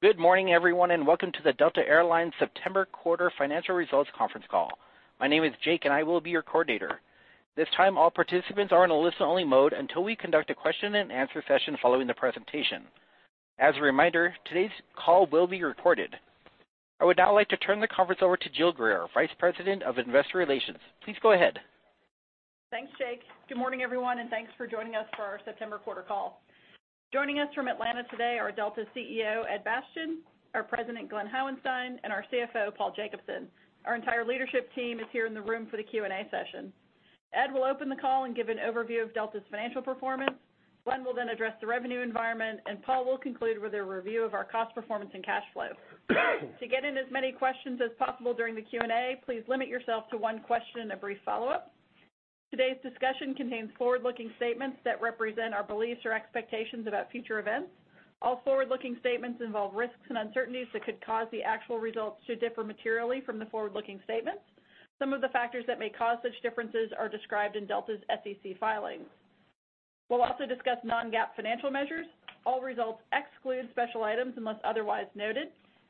Good morning, everyone, and welcome to the Delta Air Lines September quarter financial results conference call. My name is Jake, and I will be your coordinator. This time all participants are in a listen only mode until we conduct a question and answer session following the presentation. As a reminder, today's call will be recorded. I would now like to turn the conference over to Jill Greer, Vice President of Investor Relations. Please go ahead. Thanks, Jake. Good morning, everyone, and thanks for joining us for our September quarter call. Joining us from Atlanta today are Delta's CEO, Ed Bastian, our President, Glen Hauenstein, and our CFO, Paul Jacobson. Our entire leadership team is here in the room for the Q&A session. Ed will open the call and give an overview of Delta's financial performance. Glen will then address the revenue environment. Paul will conclude with a review of our cost performance and cash flow. To get in as many questions as possible during the Q&A, please limit yourself to one question and a brief follow-up. Today's discussion contains forward-looking statements that represent our beliefs or expectations about future events. All forward-looking statements involve risks and uncertainties that could cause the actual results to differ materially from the forward-looking statements. Some of the factors that may cause such differences are described in Delta's SEC filings. We'll also discuss non-GAAP financial measures. All results exclude special items unless otherwise noted,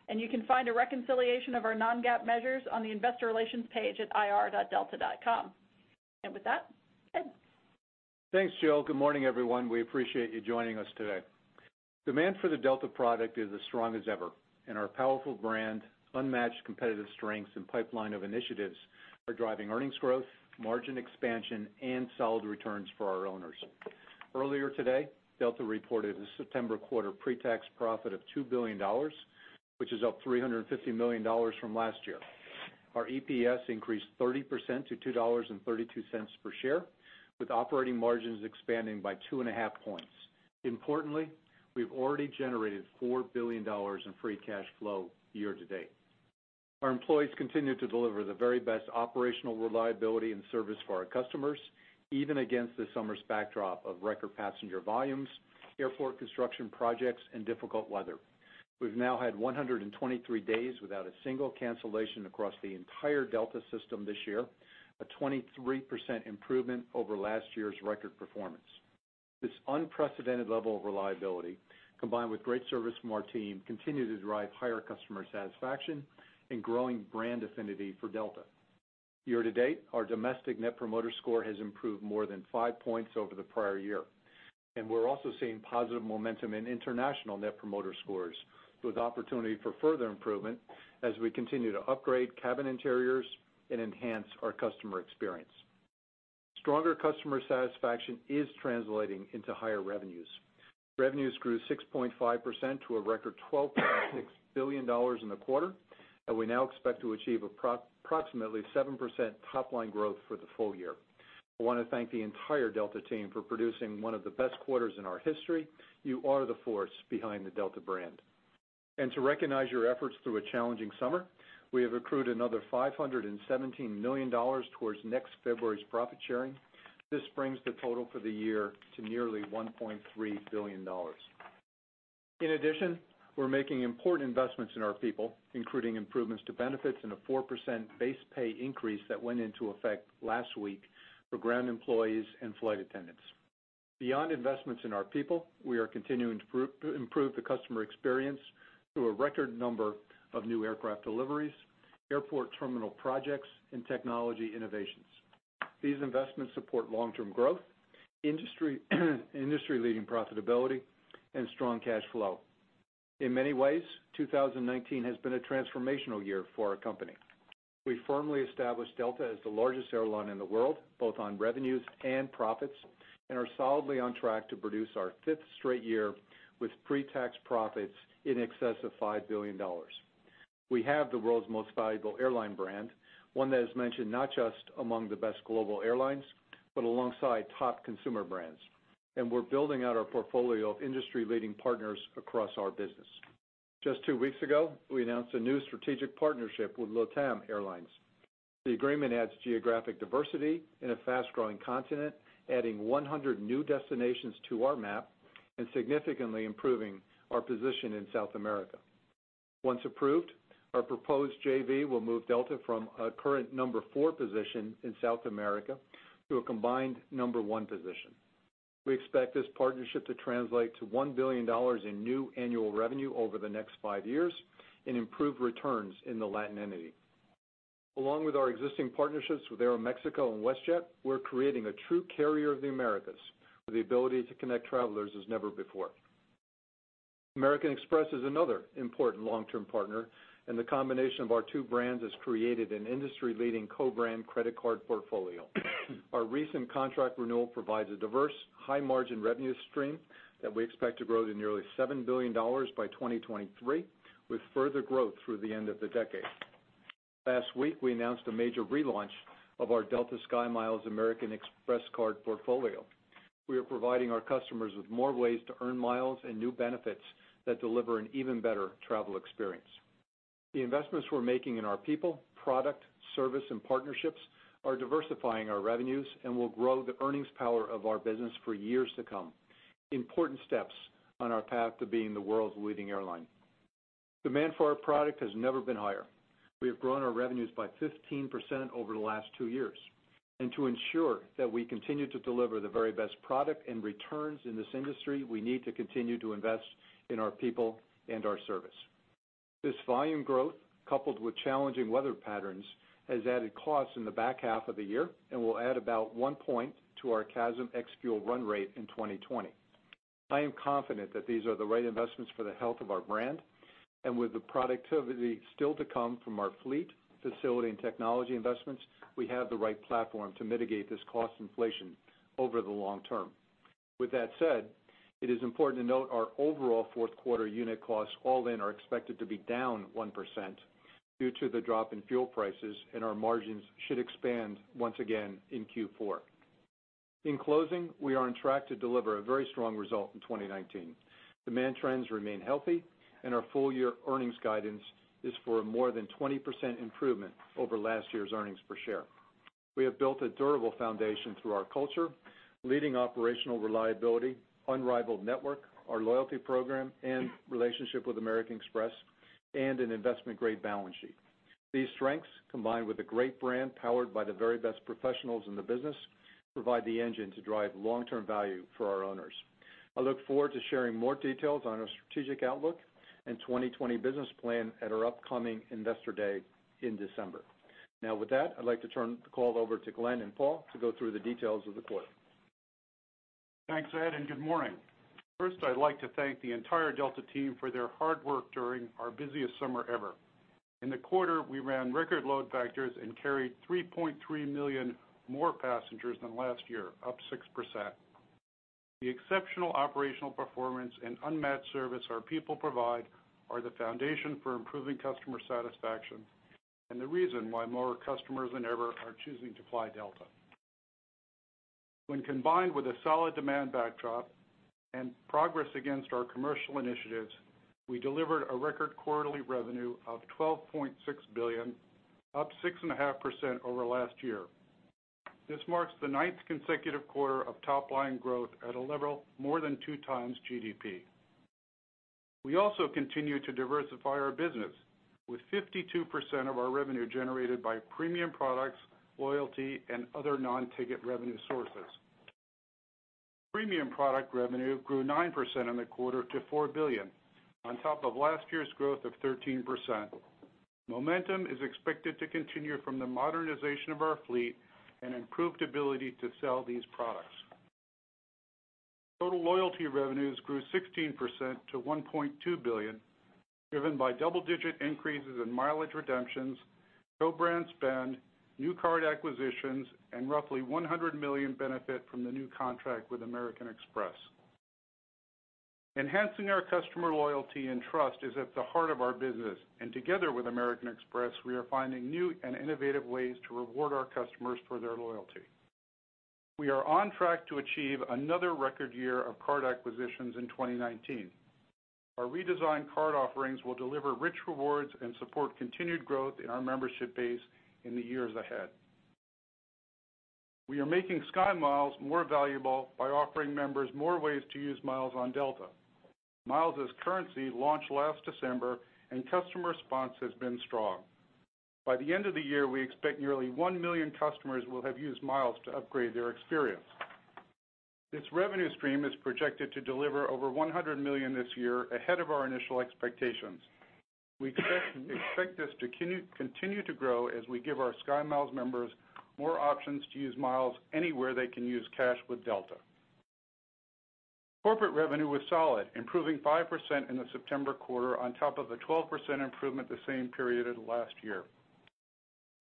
and you can find a reconciliation of our non-GAAP measures on the investor relations page at ir.delta.com. With that, Ed. Thanks, Jill. Good morning, everyone. We appreciate you joining us today. Demand for the Delta product is as strong as ever, and our powerful brand, unmatched competitive strengths, and pipeline of initiatives are driving earnings growth, margin expansion, and solid returns for our owners. Earlier today, Delta reported a September quarter pre-tax profit of $2 billion, which is up $350 million from last year. Our EPS increased 30% to $2.32 per share, with operating margins expanding by two and a half points. Importantly, we've already generated $4 billion in free cash flow year-to-date. Our employees continue to deliver the very best operational reliability and service for our customers, even against this summer's backdrop of record passenger volumes, airport construction projects, and difficult weather. We've now had 123 days without a single cancellation across the entire Delta system this year, a 23% improvement over last year's record performance. This unprecedented level of reliability, combined with great service from our team, continue to drive higher customer satisfaction and growing brand affinity for Delta. Year to date, our domestic Net Promoter Score has improved more than five points over the prior year. We're also seeing positive momentum in international Net Promoter Scores, with opportunity for further improvement as we continue to upgrade cabin interiors and enhance our customer experience. Stronger customer satisfaction is translating into higher revenues. Revenues grew 6.5% to a record $12.6 billion in the quarter, and we now expect to achieve approximately 7% top-line growth for the full year. I want to thank the entire Delta team for producing one of the best quarters in our history. You are the force behind the Delta brand. To recognize your efforts through a challenging summer, we have accrued another $517 million towards next February's profit sharing. This brings the total for the year to nearly $1.3 billion. In addition, we're making important investments in our people, including improvements to benefits and a 4% base pay increase that went into effect last week for ground employees and flight attendants. Beyond investments in our people, we are continuing to improve the customer experience through a record number of new aircraft deliveries, airport terminal projects, and technology innovations. These investments support long-term growth, industry leading profitability, and strong cash flow. In many ways, 2019 has been a transformational year for our company. We firmly established Delta as the largest airline in the world, both on revenues and profits, and are solidly on track to produce our fifth straight year with pre-tax profits in excess of $5 billion. We have the world's most valuable airline brand, one that is mentioned not just among the best global airlines, but alongside top consumer brands. We are building out our portfolio of industry-leading partners across our business. Just two weeks ago, we announced a new strategic partnership with LATAM Airlines. The agreement adds geographic diversity in a fast-growing continent, adding 100 new destinations to our map and significantly improving our position in South America. Once approved, our proposed JV will move Delta from a current number four position in South America to a combined number one position. We expect this partnership to translate to $1 billion in new annual revenue over the next five years and improve returns in the Latin entity. Along with our existing partnerships with Aeroméxico and WestJet, we are creating a true carrier of the Americas with the ability to connect travelers as never before. American Express is another important long-term partner, and the combination of our two brands has created an industry-leading co-brand credit card portfolio. Our recent contract renewal provides a diverse, high margin revenue stream that we expect to grow to nearly $7 billion by 2023, with further growth through the end of the decade. Last week, we announced a major relaunch of our Delta SkyMiles American Express card portfolio. We are providing our customers with more ways to earn miles and new benefits that deliver an even better travel experience. The investments we're making in our people, product, service, and partnerships are diversifying our revenues and will grow the earnings power of our business for years to come. Important steps on our path to being the world's leading airline. Demand for our product has never been higher. We have grown our revenues by 15% over the last two years. To ensure that we continue to deliver the very best product and returns in this industry, we need to continue to invest in our people and our service. This volume growth, coupled with challenging weather patterns, has added costs in the back half of the year and will add about 1 point to our CASM-ex run rate in 2020. I am confident that these are the right investments for the health of our brand. With the productivity still to come from our fleet, facility, and technology investments, we have the right platform to mitigate this cost inflation over the long term. With that said, it is important to note our overall fourth quarter unit costs all-in are expected to be down 1% due to the drop in fuel prices, and our margins should expand once again in Q4. In closing, we are on track to deliver a very strong result in 2019. Demand trends remain healthy, and our full-year earnings guidance is for a more than 20% improvement over last year's earnings per share. We have built a durable foundation through our culture, leading operational reliability, unrivaled network, our loyalty program, and relationship with American Express, and an investment-grade balance sheet. These strengths, combined with a great brand powered by the very best professionals in the business, provide the engine to drive long-term value for our owners. I look forward to sharing more details on our strategic outlook and 2020 business plan at our upcoming Investor Day in December. Now, with that, I'd like to turn the call over to Glen and Paul to go through the details of the quarter. Thanks, Ed, and good morning. First, I'd like to thank the entire Delta team for their hard work during our busiest summer ever. In the quarter, we ran record load factors and carried 3.3 million more passengers than last year, up 6%. The exceptional operational performance and unmatched service our people provide are the foundation for improving customer satisfaction and the reason why more customers than ever are choosing to fly Delta. When combined with a solid demand backdrop and progress against our commercial initiatives, we delivered a record quarterly revenue of $12.6 billion, up 6.5% over last year. This marks the ninth consecutive quarter of top-line growth at a level more than two times GDP. We also continue to diversify our business, with 52% of our revenue generated by premium products, loyalty, and other non-ticket revenue sources. Premium product revenue grew 9% in the quarter to $4 billion on top of last year's growth of 13%. Momentum is expected to continue from the modernization of our fleet and improved ability to sell these products. Total loyalty revenues grew 16% to $1.2 billion, driven by double-digit increases in mileage redemptions, co-brand spend, new card acquisitions, and roughly $100 million benefit from the new contract with American Express. Enhancing our customer loyalty and trust is at the heart of our business. Together with American Express, we are finding new and innovative ways to reward our customers for their loyalty. We are on track to achieve another record year of card acquisitions in 2019. Our redesigned card offerings will deliver rich rewards and support continued growth in our membership base in the years ahead. We are making SkyMiles more valuable by offering members more ways to use miles on Delta. Miles as Currency launched last December, and customer response has been strong. By the end of the year, we expect nearly 1 million customers will have used miles to upgrade their experience. This revenue stream is projected to deliver over $100 million this year ahead of our initial expectations. We expect this to continue to grow as we give our SkyMiles members more options to use miles anywhere they can use cash with Delta. Corporate revenue was solid, improving 5% in the September quarter on top of a 12% improvement the same period as last year.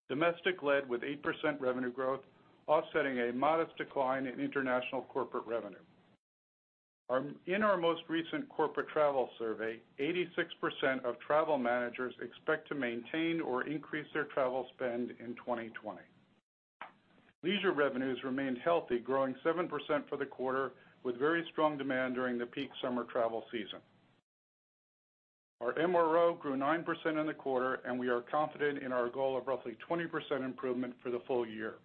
Domestic led with 8% revenue growth, offsetting a modest decline in international corporate revenue. In our most recent corporate travel survey, 86% of travel managers expect to maintain or increase their travel spend in 2020. Leisure revenues remained healthy, growing 7% for the quarter with very strong demand during the peak summer travel season. Our MRO grew 9% in the quarter, and we are confident in our goal of roughly 20% improvement for the full year.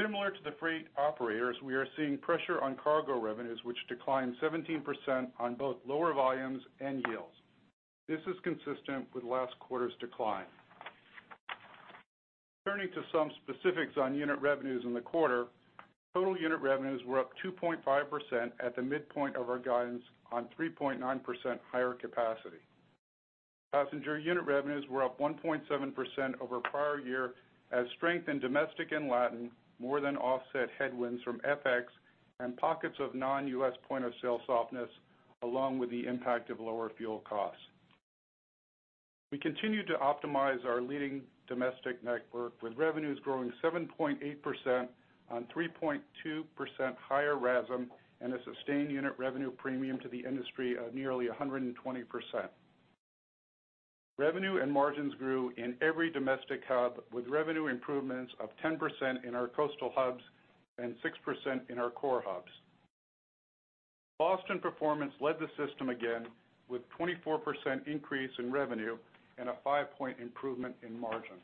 Similar to the freight operators, we are seeing pressure on cargo revenues, which declined 17% on both lower volumes and yields. This is consistent with last quarter's decline. Turning to some specifics on unit revenues in the quarter. Total unit revenues were up 2.5% at the midpoint of our guidance on 3.9% higher capacity. Passenger unit revenues were up 1.7% over prior year as strength in domestic and Latin more than offset headwinds from FX and pockets of non-U.S. point-of-sale softness, along with the impact of lower fuel costs. We continue to optimize our leading domestic network with revenues growing 7.8% on 3.2% higher RASM and a sustained unit revenue premium to the industry of nearly 120%. Revenue and margins grew in every domestic hub, with revenue improvements of 10% in our coastal hubs and 6% in our core hubs. Boston performance led the system again with 24% increase in revenue and a 5-point improvement in margin.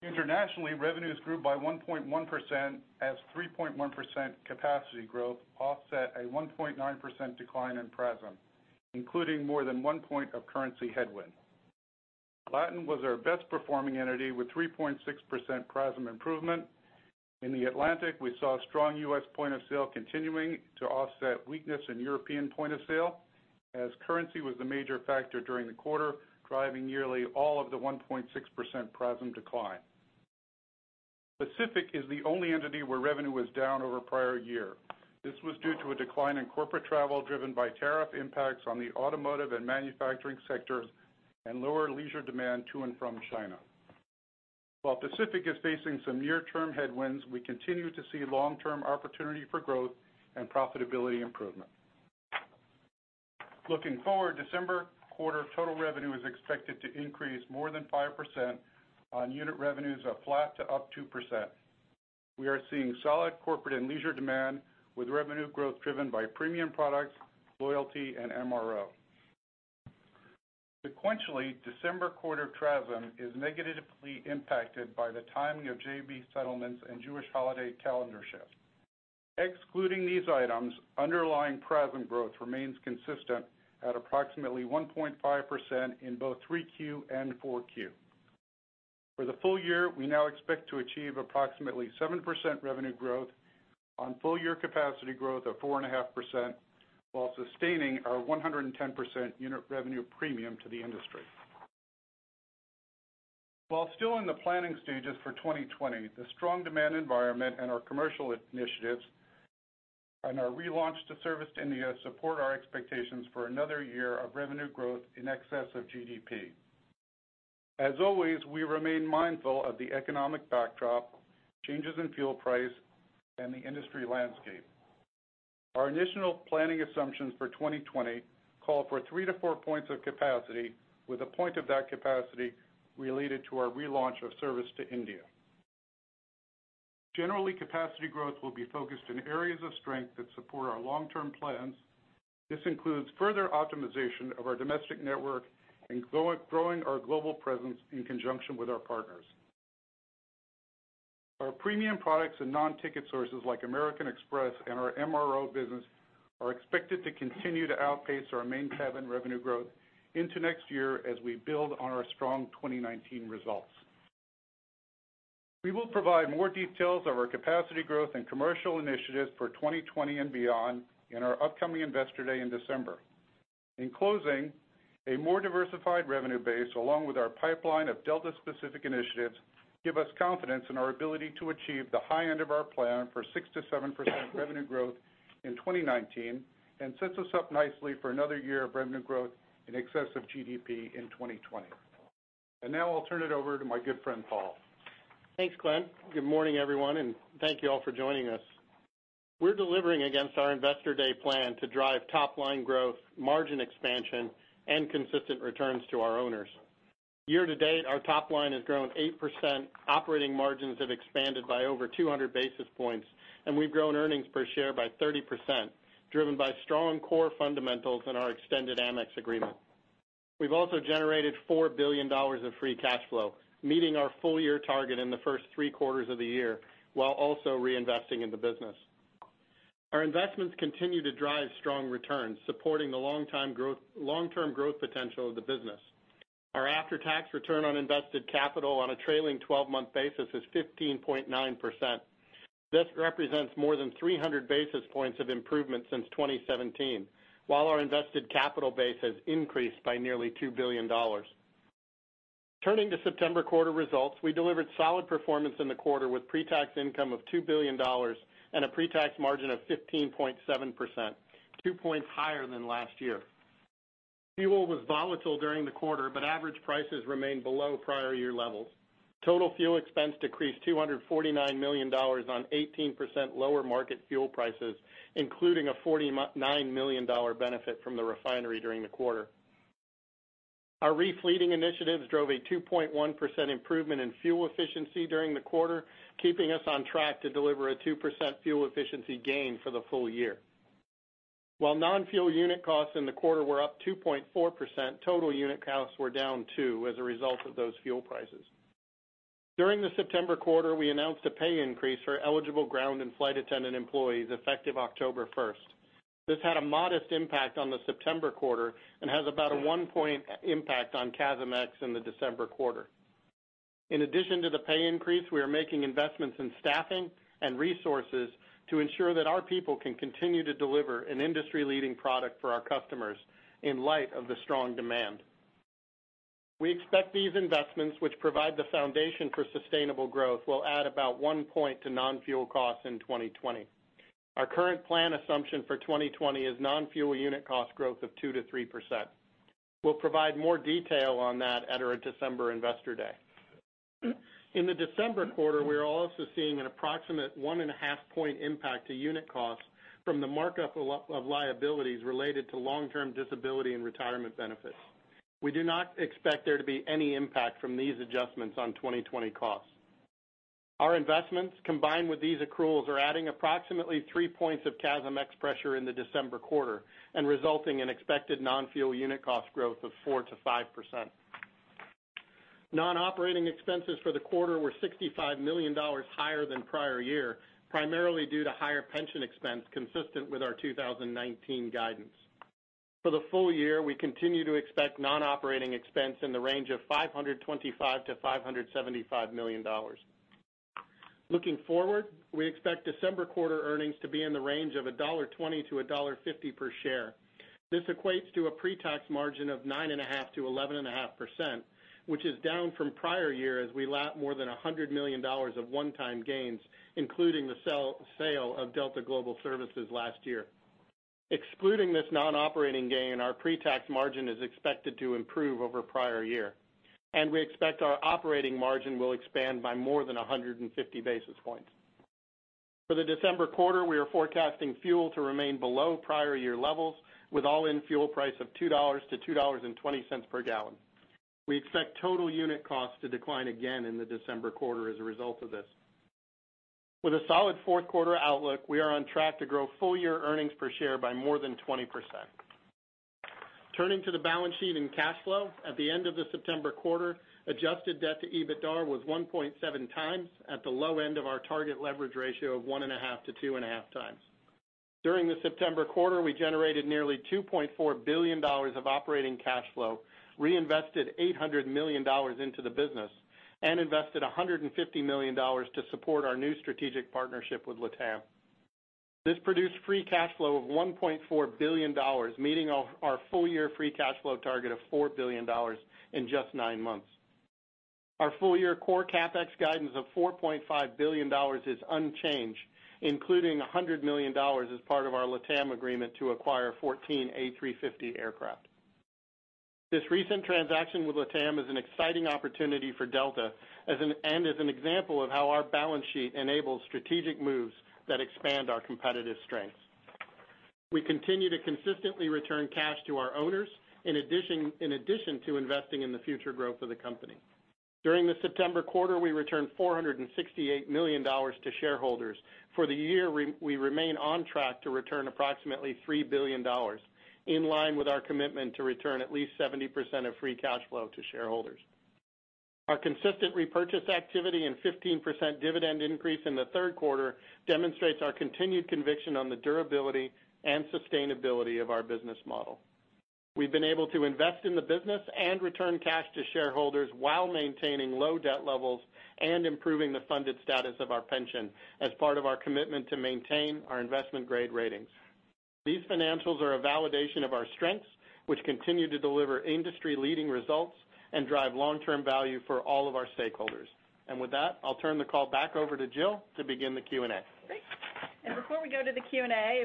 Internationally, revenues grew by 1.1% as 3.1% capacity growth offset a 1.9% decline in PRASM, including more than 1 point of currency headwind. Latin was our best performing entity with 3.6% PRASM improvement. In the Atlantic, we saw strong U.S. point of sale continuing to offset weakness in European point of sale, as currency was the major factor during the quarter, driving nearly all of the 1.6% PRASM decline. Pacific is the only entity where revenue was down over prior year. This was due to a decline in corporate travel driven by tariff impacts on the automotive and manufacturing sectors, and lower leisure demand to and from China. While Pacific is facing some near-term headwinds, we continue to see long-term opportunity for growth and profitability improvement. Looking forward, December quarter total revenue is expected to increase more than 5% on unit revenues of flat to up 2%. We are seeing solid corporate and leisure demand with revenue growth driven by premium products, loyalty, and MRO. Sequentially, December quarter PRASM is negatively impacted by the timing of JV settlements and Jewish holiday calendar shifts. Excluding these items, underlying PRASM growth remains consistent at approximately 1.5% in both 3Q and 4Q. For the full year, we now expect to achieve approximately 7% revenue growth on full year capacity growth of 4.5% while sustaining our 110% unit revenue premium to the industry. While still in the planning stages for 2020, the strong demand environment and our commercial initiatives and our relaunch to service to India support our expectations for another year of revenue growth in excess of GDP. As always, we remain mindful of the economic backdrop, changes in fuel price, and the industry landscape. Our initial planning assumptions for 2020 call for three to four points of capacity with a point of that capacity related to our relaunch of service to India. Generally, capacity growth will be focused in areas of strength that support our long-term plans. This includes further optimization of our domestic network and growing our global presence in conjunction with our partners. Our premium products and non-ticket sources like American Express and our MRO business are expected to continue to outpace our Main Cabin revenue growth into next year as we build on our strong 2019 results. We will provide more details of our capacity growth and commercial initiatives for 2020 and beyond in our upcoming Investor Day in December. In closing, a more diversified revenue base, along with our pipeline of Delta-specific initiatives, give us confidence in our ability to achieve the high end of our plan for 6%-7% revenue growth in 2019 and sets us up nicely for another year of revenue growth in excess of GDP in 2020. Now I'll turn it over to my good friend, Paul. Thanks, Glen. Good morning, everyone. Thank you all for joining us. We're delivering against our Investor Day plan to drive top-line growth, margin expansion, and consistent returns to our owners. Year to date, our top line has grown 8%, operating margins have expanded by over 200 basis points, and we've grown earnings per share by 30%, driven by strong core fundamentals in our extended Amex agreement. We've also generated $4 billion of free cash flow, meeting our full-year target in the first three quarters of the year, while also reinvesting in the business. Our investments continue to drive strong returns, supporting the long-term growth potential of the business. Our after-tax return on invested capital on a trailing 12-month basis is 15.9%. This represents more than 300 basis points of improvement since 2017, while our invested capital base has increased by nearly $2 billion. Turning to September quarter results, we delivered solid performance in the quarter with pre-tax income of $2 billion and a pre-tax margin of 15.7%, two points higher than last year. Average prices remained below prior year levels. Total fuel expense decreased $249 million on 18% lower market fuel prices, including a $49 million benefit from the refinery during the quarter. Our refleeting initiatives drove a 2.1% improvement in fuel efficiency during the quarter, keeping us on track to deliver a 2% fuel efficiency gain for the full year. While non-fuel unit costs in the quarter were up 2.4%, total unit costs were down, too, as a result of those fuel prices. During the September quarter, we announced a pay increase for eligible ground and flight attendant employees effective October 1st. This had a modest impact on the September quarter and has about a one-point impact on CASM-ex in the December quarter. In addition to the pay increase, we are making investments in staffing and resources to ensure that our people can continue to deliver an industry-leading product for our customers in light of the strong demand. We expect these investments, which provide the foundation for sustainable growth, will add about one point to non-fuel costs in 2020. Our current plan assumption for 2020 is non-fuel unit cost growth of 2%-3%. We'll provide more detail on that at our December Investor Day. In the December quarter, we are also seeing an approximate one and a half point impact to unit costs from the markup of liabilities related to long-term disability and retirement benefits. We do not expect there to be any impact from these adjustments on 2020 costs. Our investments, combined with these accruals, are adding approximately three points of CASM-ex pressure in the December quarter and resulting in expected non-fuel unit cost growth of 4%-5%. Non-operating expenses for the quarter were $65 million higher than prior year, primarily due to higher pension expense consistent with our 2019 guidance. For the full year, we continue to expect non-operating expense in the range of $525 million-$575 million. Looking forward, we expect December quarter earnings to be in the range of $1.20-$1.50 per share. This equates to a pre-tax margin of 9.5%-11.5%, which is down from prior years. We lap more than $100 million of one-time gains, including the sale of Delta Global Services last year. Excluding this non-operating gain, our pre-tax margin is expected to improve over prior year. We expect our operating margin will expand by more than 150 basis points. For the December quarter, we are forecasting fuel to remain below prior year levels with all-in fuel price of $2 to $2.20 per gallon. We expect total unit costs to decline again in the December quarter as a result of this. With a solid fourth quarter outlook, we are on track to grow full-year earnings per share by more than 20%. Turning to the balance sheet and cash flow. At the end of the September quarter, adjusted debt to EBITDA was 1.7 times, at the low end of our target leverage ratio of 1.5 to 2.5 times. During the September quarter, we generated nearly $2.4 billion of operating cash flow, reinvested $800 million into the business, and invested $150 million to support our new strategic partnership with LATAM. This produced free cash flow of $1.4 billion, meeting our full-year free cash flow target of $4 billion in just nine months. Our full-year core CapEx guidance of $4.5 billion is unchanged, including $100 million as part of our LATAM agreement to acquire 14 A350 aircraft. This recent transaction with LATAM is an exciting opportunity for Delta and is an example of how our balance sheet enables strategic moves that expand our competitive strengths. We continue to consistently return cash to our owners, in addition to investing in the future growth of the company. During the September quarter, we returned $468 million to shareholders. For the year, we remain on track to return approximately $3 billion, in line with our commitment to return at least 70% of free cash flow to shareholders. Our consistent repurchase activity and 15% dividend increase in the third quarter demonstrates our continued conviction on the durability and sustainability of our business model. We've been able to invest in the business and return cash to shareholders while maintaining low debt levels and improving the funded status of our pension as part of our commitment to maintain our investment-grade ratings. These financials are a validation of our strengths, which continue to deliver industry-leading results and drive long-term value for all of our stakeholders. With that, I'll turn the call back over to Jill to begin the Q&A. Great. Before we go to the Q&A,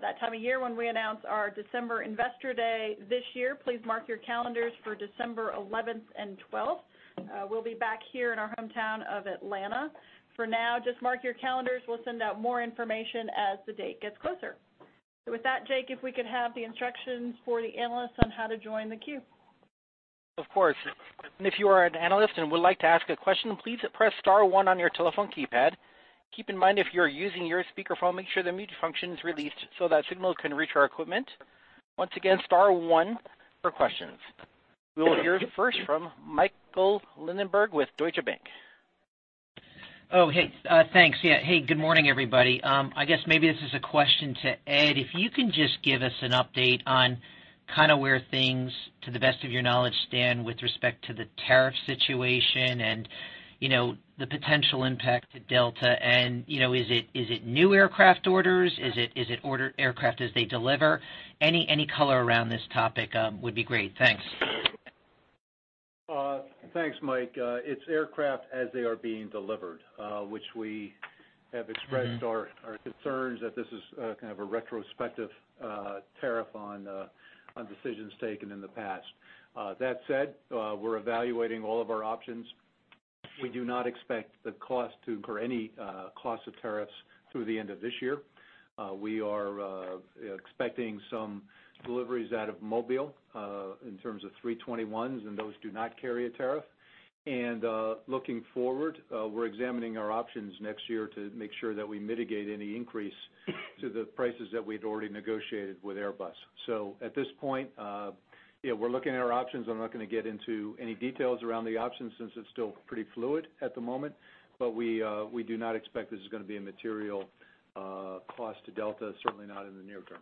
that time of year when we announce our December Investor Day this year. Please mark your calendars for December 11th and 12th. We'll be back here in our hometown of Atlanta. For now, just mark your calendars. We'll send out more information as the date gets closer. With that, Jake, if we could have the instructions for the analysts on how to join the queue. Of course. If you are an analyst and would like to ask a question, please press star one on your telephone keypad. Keep in mind if you're using your speakerphone, make sure the mute function is released so that signals can reach our equipment. Once again, star one for questions. We will hear first from Michael Linenberg with Deutsche Bank. Oh, hey. Thanks. Yeah. Hey, good morning, everybody. I guess maybe this is a question to Ed. If you can just give us an update on where things, to the best of your knowledge, stand with respect to the tariff situation and the potential impact to Delta. Is it new aircraft orders? Is it ordered aircraft as they deliver? Any color around this topic would be great. Thanks. Thanks, Mike. It's aircraft as they are being delivered, which we have expressed our concerns that this is kind of a retrospective tariff on decisions taken in the past. That said, we're evaluating all of our options. We do not expect the cost to incur any cost of tariffs through the end of this year. We are expecting some deliveries out of Mobile, in terms of A321s, and those do not carry a tariff. Looking forward, we're examining our options next year to make sure that we mitigate any increase to the prices that we'd already negotiated with Airbus. At this point, yeah, we're looking at our options. I'm not going to get into any details around the options since it's still pretty fluid at the moment. We do not expect this is going to be a material cost to Delta, certainly not in the near term.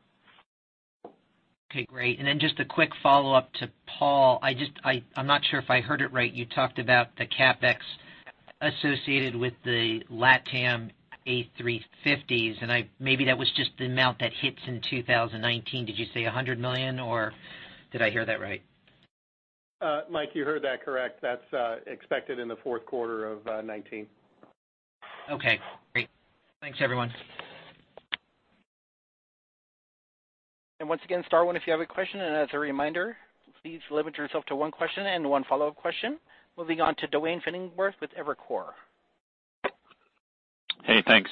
Okay, great. Just a quick follow-up to Paul. I'm not sure if I heard it right. You talked about the CapEx associated with the LATAM A350s. Maybe that was just the amount that hits in 2019. Did you say $100 million, or did I hear that right? Mike, you heard that correct. That's expected in the fourth quarter of 2019. Okay, great. Thanks, everyone. Once again, star one if you have a question. As a reminder, please limit yourself to one question and one follow-up question. Moving on to Duane Pfennigwerth with Evercore. Hey, thanks.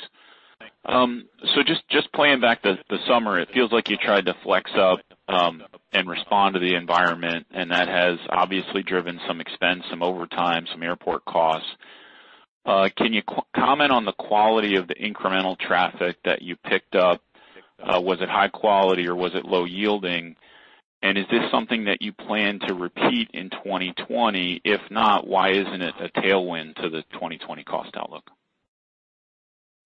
Just playing back the summer, it feels like you tried to flex up and respond to the environment, and that has obviously driven some expense, some overtime, some airport costs. Can you comment on the quality of the incremental traffic that you picked up? Was it high quality or was it low yielding? Is this something that you plan to repeat in 2020? If not, why isn't it a tailwind to the 2020 cost outlook?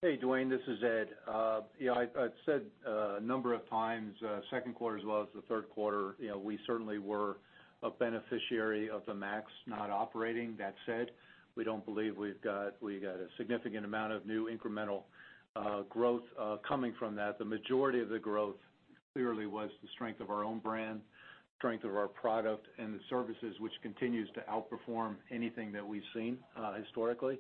Hey, Duane, this is Ed. I've said a number of times, second quarter as well as the third quarter, we certainly were a beneficiary of the MAX not operating. That said, we don't believe we've got a significant amount of new incremental growth coming from that. The majority of the growth clearly was the strength of our own brand, strength of our product, and the services, which continues to outperform anything that we've seen historically.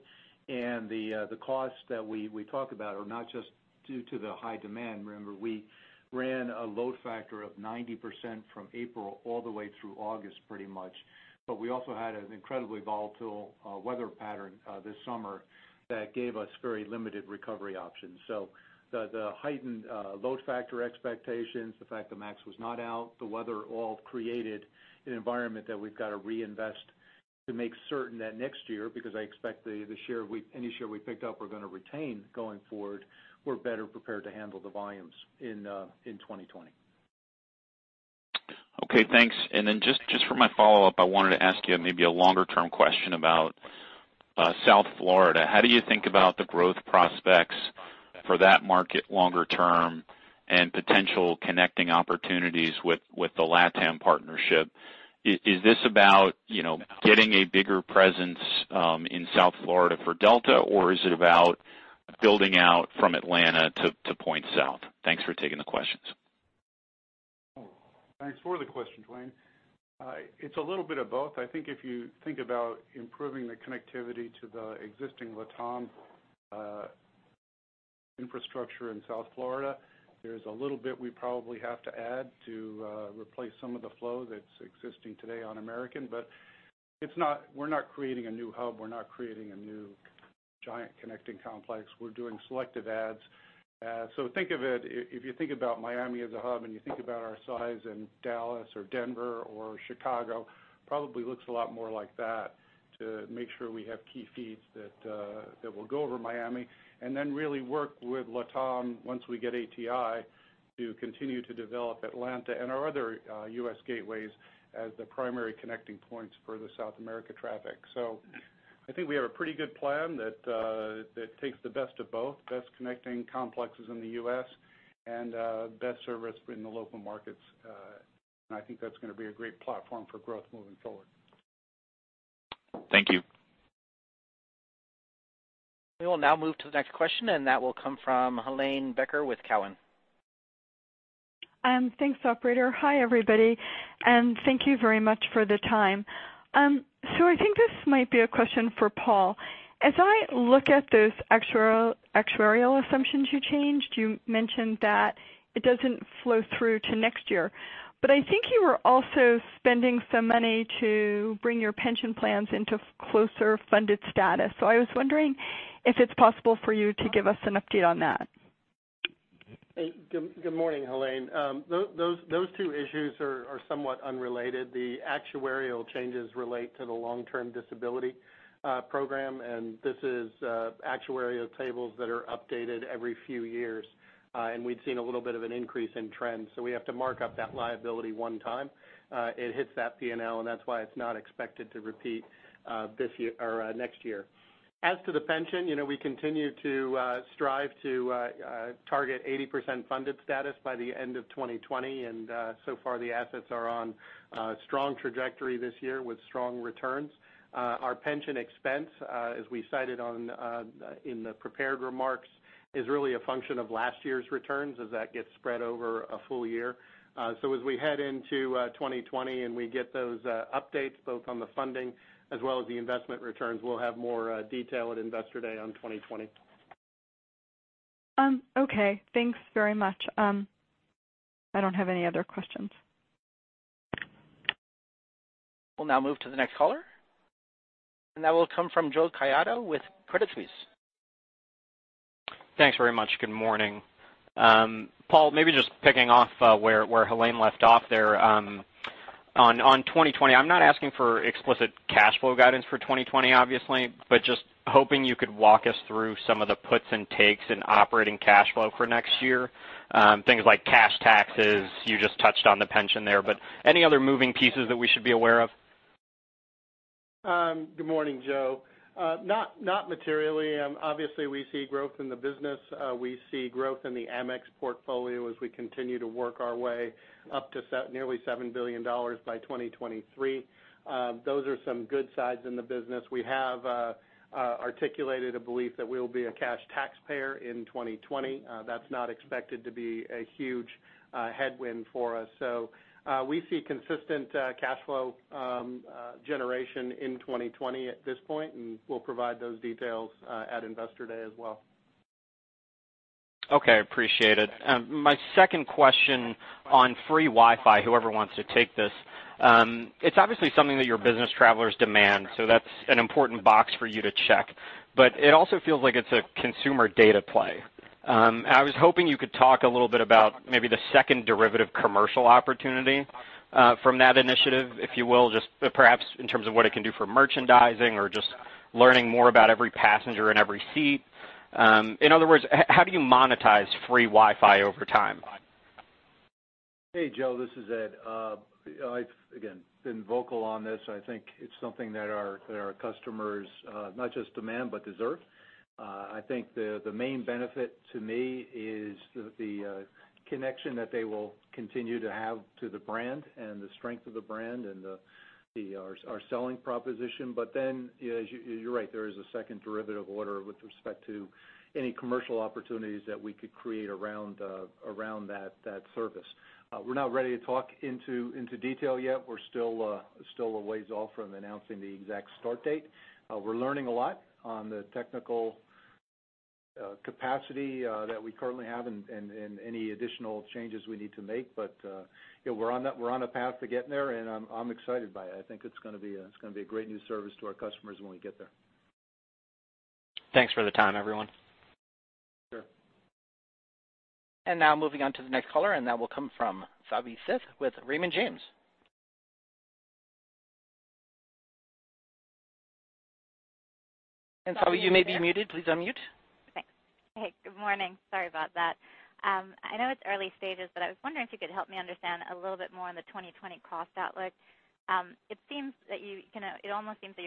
The costs that we talk about are not just due to the high demand. Remember, we ran a load factor of 90% from April all the way through August pretty much. We also had an incredibly volatile weather pattern this summer that gave us very limited recovery options. The heightened load factor expectations, the fact the MAX was not out, the weather all created an environment that we've got to reinvest to make certain that next year, because I expect any share we picked up, we're going to retain going forward. We're better prepared to handle the volumes in 2020. Okay, thanks. Just for my follow-up, I wanted to ask you maybe a longer-term question about South Florida. How do you think about the growth prospects for that market longer term and potential connecting opportunities with the LATAM partnership? Is this about getting a bigger presence in South Florida for Delta, or is it about building out from Atlanta to points south? Thanks for taking the questions. Thanks for the question, Duane. It's a little bit of both. I think if you think about improving the connectivity to the existing LATAM infrastructure in South Florida, there's a little bit we probably have to add to replace some of the flow that's existing today on American. We're not creating a new hub. We're not creating a new giant connecting complex. We're doing selective adds. Think of it, if you think about Miami as a hub and you think about our size in Dallas or Denver or Chicago, probably looks a lot more like that to make sure we have key feeds that will go over Miami. Then really work with LATAM once we get ATI to continue to develop Atlanta and our other U.S. gateways as the primary connecting points for the South America traffic. I think we have a pretty good plan that takes the best of both, best connecting complexes in the U.S. and best service in the local markets. I think that's going to be a great platform for growth moving forward. Thank you. We will now move to the next question, and that will come from Helane Becker with Cowen. Thanks, operator. Hi, everybody, and thank you very much for the time. I think this might be a question for Paul. As I look at those actuarial assumptions you changed, you mentioned that it doesn't flow through to next year. I think you were also spending some money to bring your pension plans into closer funded status. I was wondering if it's possible for you to give us an update on that. Hey, good morning, Helane. Those two issues are somewhat unrelated. The actuarial changes relate to the long-term disability program. This is actuarial tables that are updated every few years. We'd seen a little bit of an increase in trends. We have to mark up that liability one time. It hits that P&L. That's why it's not expected to repeat next year. As to the pension, we continue to strive to target 80% funded status by the end of 2020. So far the assets are on a strong trajectory this year with strong returns. Our pension expense, as we cited in the prepared remarks, is really a function of last year's returns as that gets spread over a full year. As we head into 2020 and we get those updates, both on the funding as well as the investment returns, we'll have more detail at Investor Day on 2020. Okay, thanks very much. I don't have any other questions. We'll now move to the next caller, and that will come from Joe Caiazzo with Credit Suisse. Thanks very much. Good morning. Paul, maybe just picking off where Helane left off there. On 2020, I'm not asking for explicit cash flow guidance for 2020, obviously, but just hoping you could walk us through some of the puts and takes in operating cash flow for next year. Things like cash taxes, you just touched on the pension there, but any other moving pieces that we should be aware of? Good morning, Joe. Not materially. Obviously, we see growth in the business. We see growth in the Amex portfolio as we continue to work our way up to nearly $7 billion by 2023. Those are some good sides in the business. We have articulated a belief that we will be a cash taxpayer in 2020. That's not expected to be a huge headwind for us. We see consistent cash flow generation in 2020 at this point, and we'll provide those details at Investor Day as well. Okay, appreciate it. My second question on free Wi-Fi, whoever wants to take this. It's obviously something that your business travelers demand, so that's an important box for you to check, but it also feels like it's a consumer data play. I was hoping you could talk a little bit about maybe the second derivative commercial opportunity from that initiative, if you will, just perhaps in terms of what it can do for merchandising or just learning more about every passenger in every seat. In other words, how do you monetize free Wi-Fi over time? Hey, Joe, this is Ed. I've, again, been vocal on this. I think it's something that our customers not just demand but deserve. I think the main benefit to me is the connection that they will continue to have to the brand and the strength of the brand and our selling proposition. You're right, there is a second derivative order with respect to any commercial opportunities that we could create around that service. We're not ready to talk into detail yet. We're still a ways off from announcing the exact start date. We're learning a lot on the technical capacity that we currently have and any additional changes we need to make. We're on a path to getting there, and I'm excited by it. I think it's going to be a great new service to our customers when we get there. Thanks for the time, everyone. Sure. Now moving on to the next caller, and that will come from Savi Syth with Raymond James. Savi, you may be muted. Please unmute. Thanks. Hey, good morning. Sorry about that. I know it's early stages. I was wondering if you could help me understand a little bit more on the 2020 cost outlook. It almost seems that you're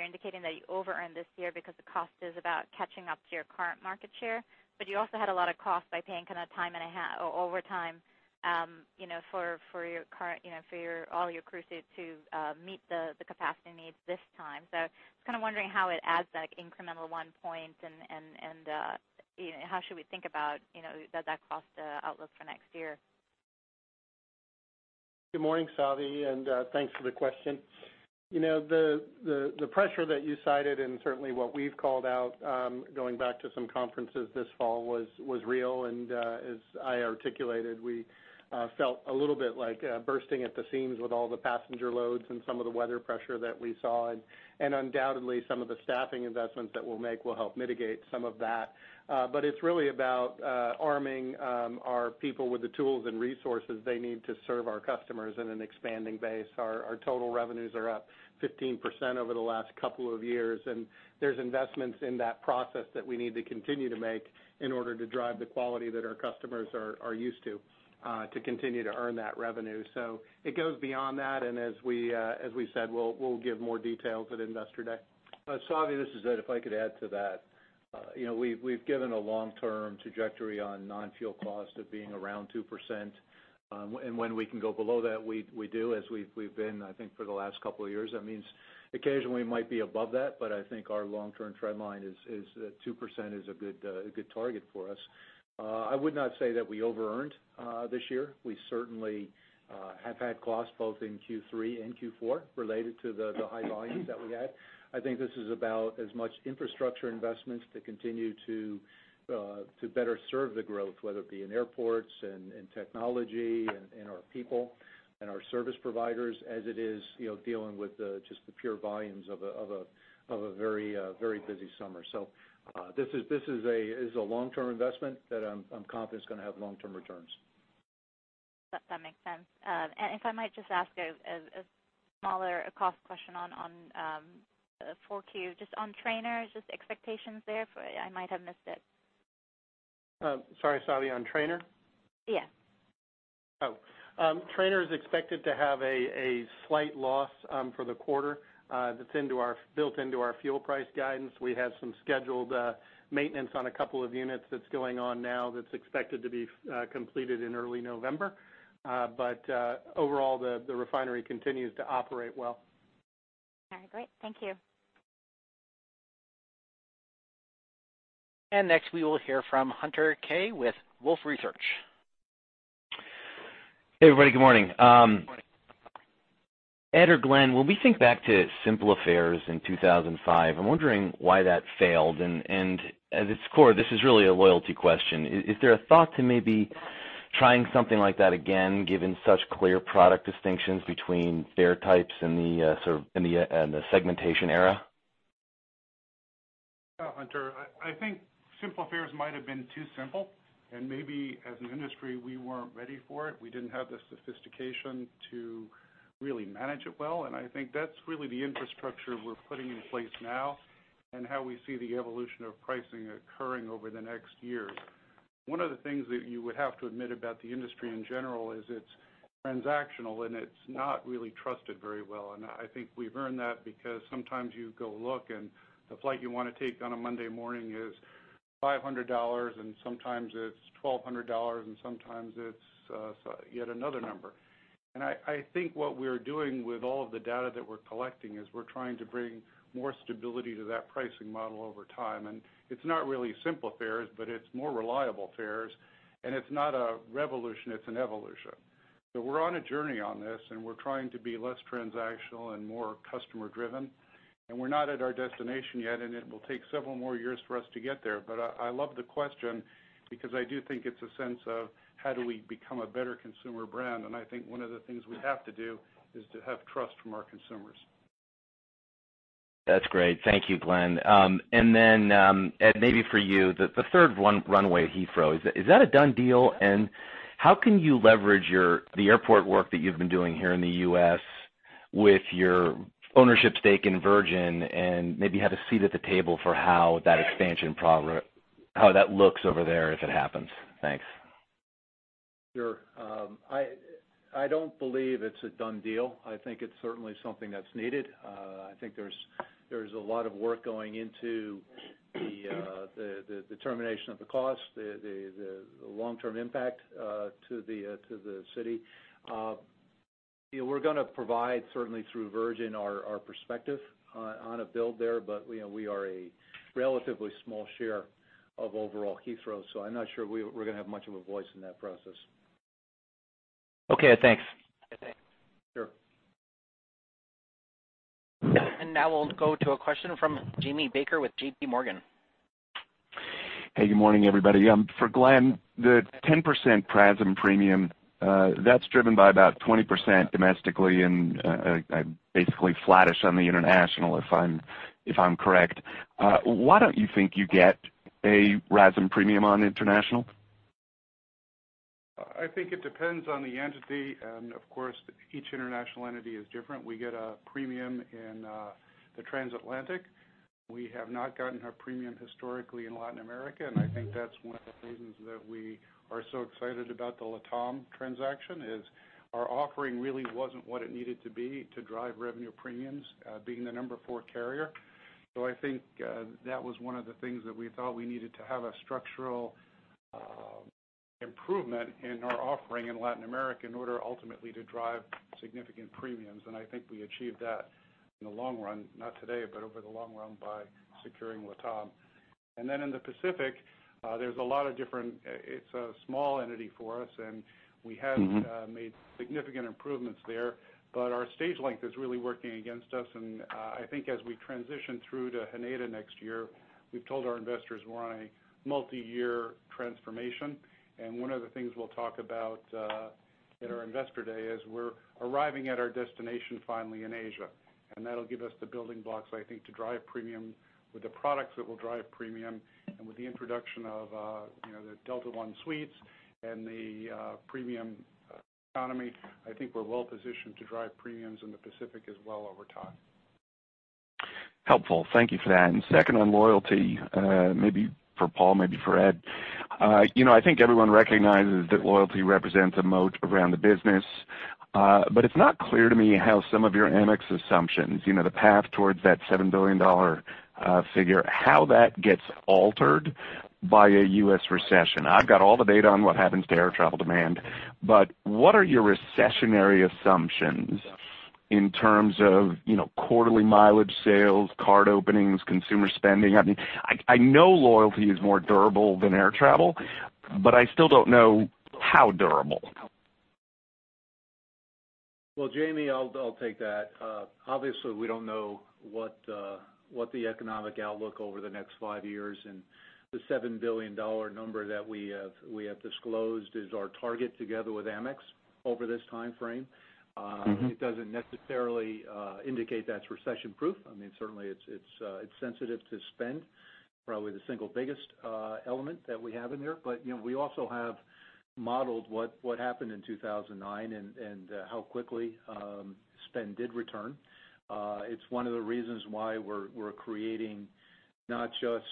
indicating that you over-earned this year because the cost is about catching up to your current market share, but you also had a lot of cost by paying time and a half or overtime for all your crew to meet the capacity needs this time. I was kind of wondering how it adds that incremental one point and how should we think about that cost outlook for next year? Good morning, Savi, thanks for the question. The pressure that you cited and certainly what we've called out, going back to some conferences this fall was real. As I articulated, we felt a little bit like bursting at the seams with all the passenger loads and some of the weather pressure that we saw, and undoubtedly some of the staffing investments that we'll make will help mitigate some of that. It's really about arming our people with the tools and resources they need to serve our customers in an expanding base. Our total revenues are up 15% over the last couple of years, there's investments in that process that we need to continue to make in order to drive the quality that our customers are used to continue to earn that revenue. It goes beyond that, and as we said, we'll give more details at Investor Day. Savi, this is Ed. If I could add to that. We've given a long-term trajectory on non-fuel cost of being around 2%. When we can go below that, we do as we've been, I think, for the last couple of years. That means occasionally we might be above that. I think our long-term trend line is that 2% is a good target for us. I would not say that we over-earned this year. We certainly have had costs both in Q3 and Q4 related to the high volumes that we had. I think this is about as much infrastructure investments to continue to better serve the growth, whether it be in airports and technology and our people and our service providers as it is dealing with just the pure volumes of a very busy summer. This is a long-term investment that I'm confident is going to have long-term returns. That makes sense. If I might just ask a smaller cost question on 4Q, just on Trainer, just expectations there for I might have missed it. Sorry, Savi, on Trainer? Yeah. Trainer is expected to have a slight loss for the quarter. That's built into our fuel price guidance. We have some scheduled maintenance on a couple of units that's going on now that's expected to be completed in early November. Overall, the refinery continues to operate well. All right, great. Thank you. Next we will hear from Hunter Keay with Wolfe Research. Hey, everybody. Good morning. Ed or Glen, when we think back to SimpliFares in 2005, I'm wondering why that failed, and at its core, this is really a loyalty question. Is there a thought to maybe trying something like that again, given such clear product distinctions between fare types and the segmentation era? Hunter, I think SimpliFares might have been too simple. Maybe as an industry, we weren't ready for it. We didn't have the sophistication to really manage it well. I think that's really the infrastructure we're putting in place now and how we see the evolution of pricing occurring over the next years. One of the things that you would have to admit about the industry in general is it's transactional. It's not really trusted very well. I think we've earned that because sometimes you go look. The flight you want to take on a Monday morning is $500. Sometimes it's $1,200. Sometimes it's yet another number. I think what we're doing with all of the data that we're collecting is we're trying to bring more stability to that pricing model over time. It's not really SimpliFares, but it's more reliable fares, and it's not a revolution, it's an evolution. We're on a journey on this, and we're trying to be less transactional and more customer-driven. We're not at our destination yet, and it will take several more years for us to get there. I love the question because I do think it's a sense of how do we become a better consumer brand. I think one of the things we have to do is to have trust from our consumers. That's great. Thank you, Glen. Then, Ed, maybe for you, the third one, runway Heathrow. Is that a done deal? And how can you leverage the airport work that you've been doing here in the U.S. with your ownership stake in Virgin and maybe have a seat at the table for how that expansion how that looks over there if it happens? Thanks. Sure. I don't believe it's a done deal. I think it's certainly something that's needed. I think there's a lot of work going into the determination of the cost, the long-term impact to the city. We're going to provide, certainly through Virgin, our perspective on a build there, but we are a relatively small share of overall Heathrow, so I'm not sure we're going to have much of a voice in that process. Okay. Thanks. Sure. Now we'll go to a question from Jamie Baker with JP Morgan. Hey, good morning, everybody. For Glen, the 10% PRASM premium, that's driven by about 20% domestically and basically flattish on the international, if I'm correct. Why don't you think you get a RASM premium on international? I think it depends on the entity and of course, each international entity is different. We get a premium in the transatlantic. We have not gotten a premium historically in Latin America, I think that's one of the reasons that we are so excited about the LATAM transaction is our offering really wasn't what it needed to be to drive revenue premiums, being the number four carrier. I think that was one of the things that we thought we needed to have a structural improvement in our offering in Latin America in order ultimately to drive significant premiums. I think we achieved that in the long run, not today, but over the long run by securing LATAM. In the Pacific, there's a lot of different it's a small entity for us, and we have- made significant improvements there, but our stage length is really working against us. I think as we transition through to Haneda next year, we've told our investors we're on a multi-year transformation. One of the things we'll talk about at our Investor Day is we're arriving at our destination finally in Asia, and that'll give us the building blocks, I think, to drive premium with the products that will drive premium. With the introduction of the Delta One suites and the premium economy, I think we're well-positioned to drive premiums in the Pacific as well over time. Helpful. Thank you for that. Second on loyalty, maybe for Paul, maybe for Ed. I think everyone recognizes that loyalty represents a moat around the business. It's not clear to me how some of your Amex assumptions, the path towards that $7 billion figure, how that gets altered by a U.S. recession. I've got all the data on what happens to air travel demand, but what are your recessionary assumptions in terms of quarterly mileage sales, card openings, consumer spending? I know loyalty is more durable than air travel, but I still don't know how durable. Well, Jamie, I'll take that. Obviously, we don't know what the economic outlook over the next five years and the $7 billion number that we have disclosed is our target together with Amex over this timeframe. It doesn't necessarily indicate that's recession-proof. Certainly, it's sensitive to spend, probably the single biggest element that we have in there. We also have modeled what happened in 2009 and how quickly spend did return. It's one of the reasons why we're creating not just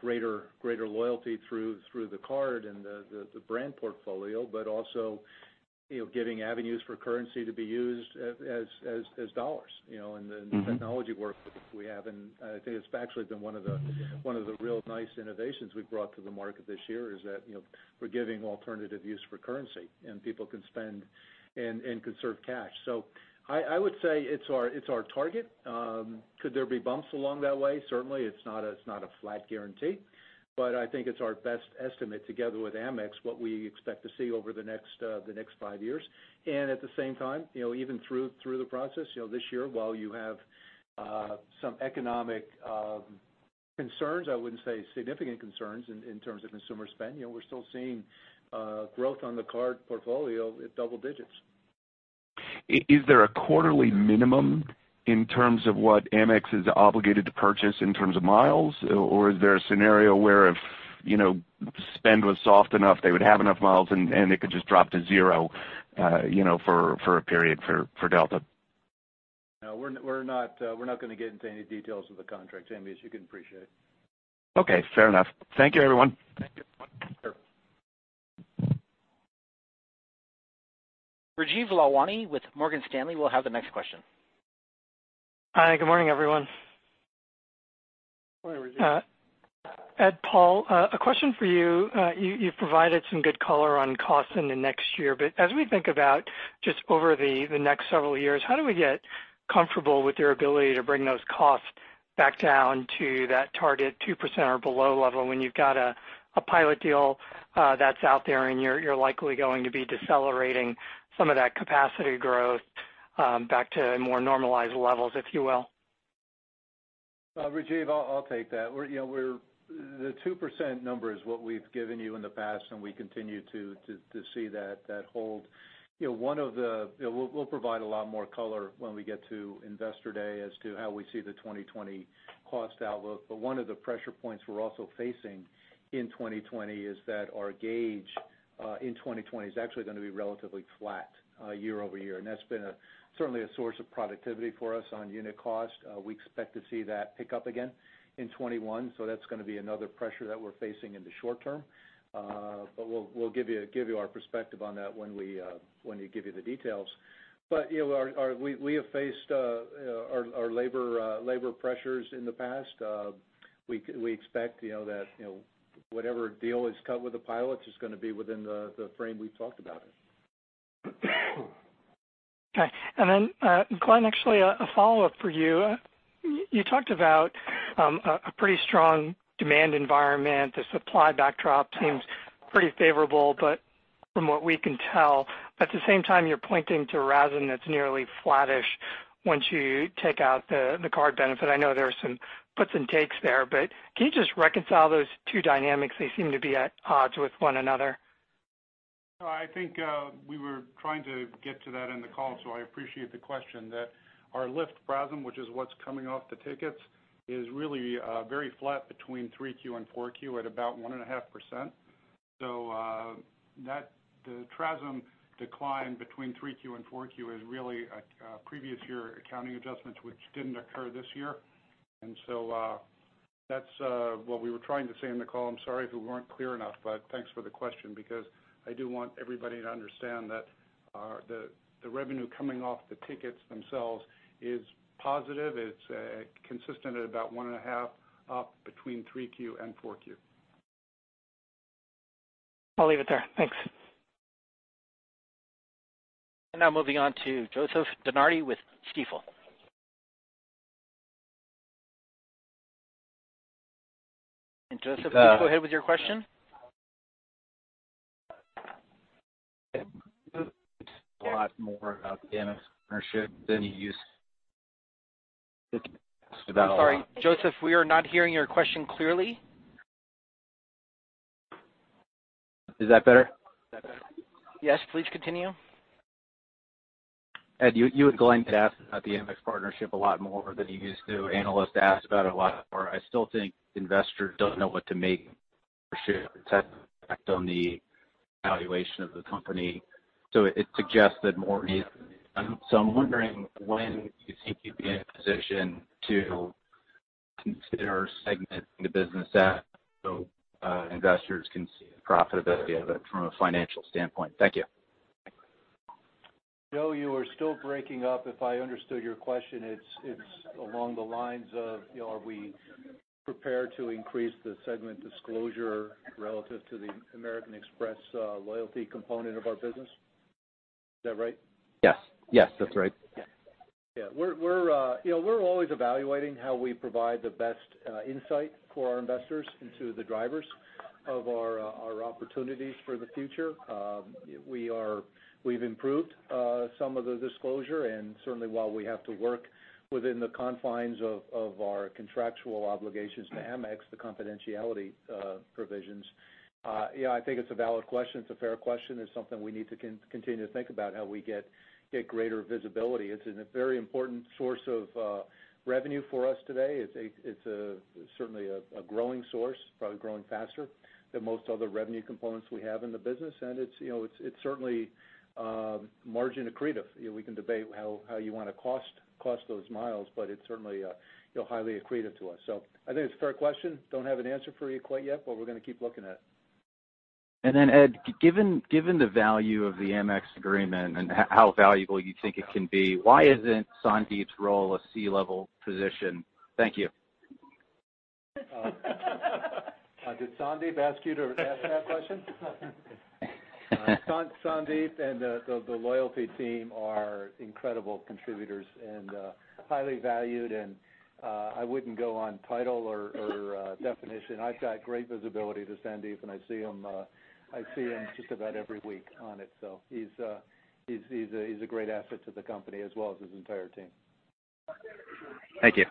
greater loyalty through the card and the brand portfolio, but also giving avenues for currency to be used as dollars. The technology work that we have, and I think it's actually been one of the real nice innovations we've brought to the market this year, is that we're giving alternative use for currency, and people can spend and conserve cash. I would say it's our target. Could there be bumps along that way? Certainly, it's not a flat guarantee. I think it's our best estimate together with Amex, what we expect to see over the next 5 years. At the same time, even through the process, this year while you have some economic concerns, I wouldn't say significant concerns in terms of consumer spend, we're still seeing growth on the card portfolio at double digits. Is there a quarterly minimum in terms of what Amex is obligated to purchase in terms of miles? Or is there a scenario where if spend was soft enough, they would have enough miles, and they could just drop to zero for a period for Delta? No. We're not going to get into any details of the contract, Jamie, as you can appreciate. Okay, fair enough. Thank you, everyone. Sure. Rajeev Lalwani with Morgan Stanley will have the next question. Hi. Good morning, everyone. Good morning, Rajeev. Ed, Paul, a question for you. You've provided some good color on costs in the next year. As we think about just over the next several years, how do we get comfortable with your ability to bring those costs back down to that target 2% or below level when you've got a pilot deal that's out there and you're likely going to be decelerating some of that capacity growth back to more normalized levels, if you will? Rajeev, I'll take that. The 2% number is what we've given you in the past, and we continue to see that hold. We'll provide a lot more color when we get to Investor Day as to how we see the 2020 cost outlook. One of the pressure points we're also facing in 2020 is that our gauge in 2020 is actually going to be relatively flat year-over-year. That's been certainly a source of productivity for us on unit cost. We expect to see that pick up again in 2021, so that's going to be another pressure that we're facing in the short term. We'll give you our perspective on that when we give you the details. We have faced our labor pressures in the past. We expect that whatever deal is cut with the pilots is going to be within the frame we've talked about. Okay. Glen, actually, a follow-up for you. You talked about a pretty strong demand environment. The supply backdrop seems pretty favorable, but from what we can tell, at the same time, you're pointing to RASM that's nearly flattish once you take out the card benefit. I know there are some puts and takes there, but can you just reconcile those two dynamics? They seem to be at odds with one another. No, I think we were trying to get to that in the call. I appreciate the question. That our lift RASM, which is what's coming off the tickets, is really very flat between 3Q and 4Q at about 1.5%. The TRASM decline between 3Q and 4Q is really a previous year accounting adjustments which didn't occur this year. That's what we were trying to say in the call. I'm sorry if we weren't clear enough. Thanks for the question. I do want everybody to understand that the revenue coming off the tickets themselves is positive. It's consistent at about 1.5% up between 3Q and 4Q. I'll leave it there. Thanks. Now moving on to Joseph DeNardi with Stifel. Joseph, please go ahead with your question. A lot more about the Amex partnership than you used- I'm sorry, Joseph, we are not hearing your question clearly. Is that better? Yes, please continue. Ed, you and Glen get asked about the Amex partnership a lot more than you used to. Analysts ask about it a lot more. I still think investors don't know what to make of the partnership effect on the valuation of the company. It suggests that more needs to be done. I'm wondering when you think you'd be in a position to consider segmenting the business out so investors can see the profitability of it from a financial standpoint. Thank you. Joe, you are still breaking up. If I understood your question, it's along the lines of are we prepared to increase the segment disclosure relative to the American Express loyalty component of our business. Is that right? Yes. That's right. We're always evaluating how we provide the best insight for our investors into the drivers of our opportunities for the future. We've improved some of the disclosure and certainly while we have to work within the confines of our contractual obligations to Amex, the confidentiality provisions. I think it's a valid question. It's a fair question. It's something we need to continue to think about, how we get greater visibility. It's a very important source of revenue for us today. It's certainly a growing source, probably growing faster than most other revenue components we have in the business. It's certainly margin accretive. We can debate how you want to cost those miles, but it's certainly highly accretive to us. I think it's a fair question. Don't have an answer for you quite yet, but we're going to keep looking at it. Ed, given the value of the Amex agreement and how valuable you think it can be, why isn't Sandeep's role a C-level position? Thank you. Did Sandeep ask you to ask that question? Sandeep and the loyalty team are incredible contributors and highly valued, and I wouldn't go on title or definition. I've got great visibility to Sandeep, and I see him just about every week on it. He's a great asset to the company as well as his entire team. Thank you.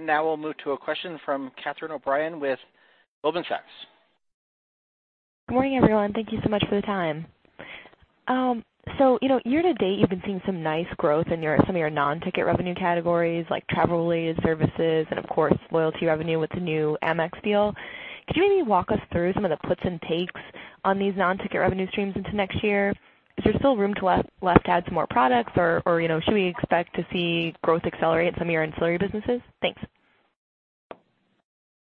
Now we'll move to a question from Catherine O'Brien with Goldman Sachs. Good morning, everyone. Thank you so much for the time. Year to date, you've been seeing some nice growth in some of your non-ticket revenue categories, like travel-related services and of course, loyalty revenue with the new Amex deal. Could you maybe walk us through some of the puts and takes on these non-ticket revenue streams into next year? Is there still room to add some more products? Should we expect to see growth accelerate some of your ancillary businesses? Thanks.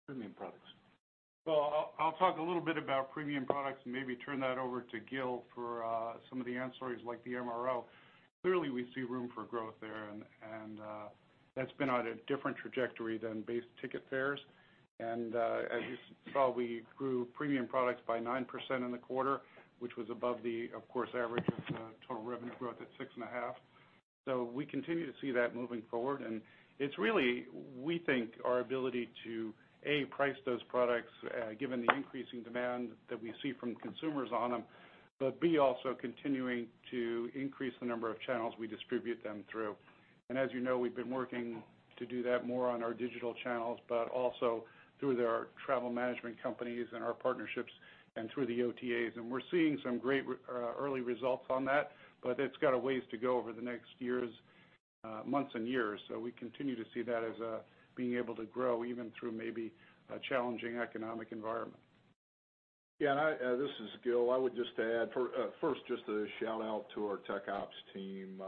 Premium products. I'll talk a little bit about premium products and maybe turn that over to Gil for some of the answers like the MRO. Clearly, we see room for growth there, and that's been on a different trajectory than base ticket fares. As you saw, we grew premium products by 9% in the quarter, which was above the, of course, average of revenue growth at 6.5%. We continue to see that moving forward, and it's really, we think, our ability to, A, price those products given the increasing demand that we see from consumers on them, but B, also continuing to increase the number of channels we distribute them through. As you know, we've been working to do that more on our digital channels, but also through their travel management companies and our partnerships and through the OTAs. We're seeing some great early results on that, but it's got a ways to go over the next months and years. We continue to see that as being able to grow even through maybe a challenging economic environment. This is Gil. I would just add, first, just a shout-out to our tech ops team.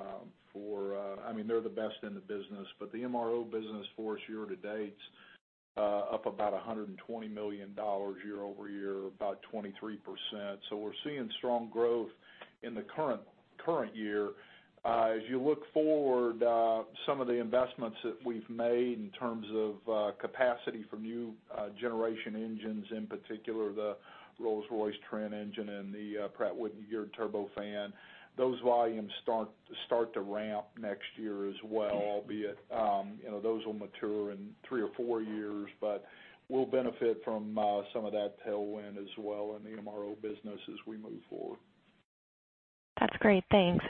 They're the best in the business. The MRO business for us year-to-date's up about $120 million year-over-year, about 23%. We're seeing strong growth in the current year. As you look forward, some of the investments that we've made in terms of capacity from new generation engines, in particular, the Rolls-Royce Trent engine and the Pratt & Whitney Geared Turbofan, those volumes start to ramp next year as well, albeit those will mature in three or four years. We'll benefit from some of that tailwind as well in the MRO business as we move forward. That's great. Thanks.